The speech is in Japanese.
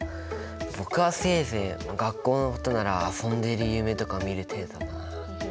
僕はせいぜい学校のことなら遊んでいる夢とか見る程度だなあ。